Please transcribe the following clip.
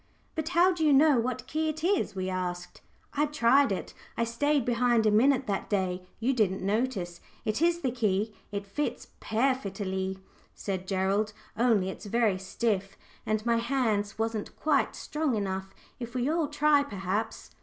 "But how do you know what key it is?" we asked. "I tried it I stayed behind a minute that day; you didn't notice. It is the key. It fits pairfittly," said Gerald. "Only it's very stiff, and my hands wasn't quite strong enough. If we all try, perhaps."